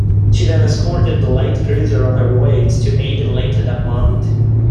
She then escorted the light cruiser on her voyage to Aden later that month.